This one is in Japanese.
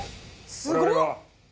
「すごっ！」